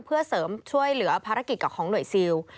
เพื่อเสริมช่วยเหลือภารกิจกับของหน่วยซิล